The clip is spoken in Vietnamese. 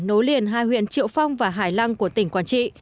nối liền hai huyện triệu phong và hải lăng của tỉnh quảng trị